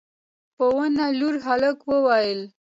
په ونه لوړ هلک وويل: